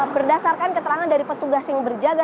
berdasarkan keterangan dari petugas yang berjaga